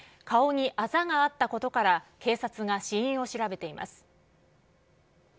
顔にあざがあったことから、警察が死因を調べています。